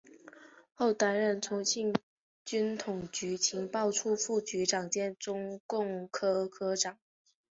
后担任重庆军统局情报处副处长兼中共科科长。